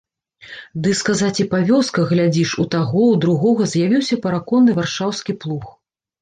Ды, сказаць, і па вёсках, глядзіш, у таго, у другога з'явіўся параконны варшаўскі плуг.